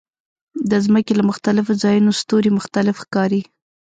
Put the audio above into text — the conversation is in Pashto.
د ځمکې له مختلفو ځایونو ستوري مختلف ښکاري.